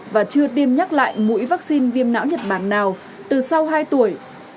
và chưa tiêm nhắc lại mũi vaccine viêm não nhật bản nào từ sau hai tuổi